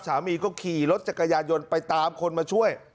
สามีก็ขี่รถจักรยานยนต์ไปตามคนมาช่วย